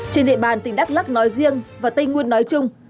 trên địa bàn tỉnh đắk lắc nói riêng và tây nguyên nói chung